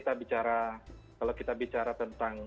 jadi kalau kita bicara tentang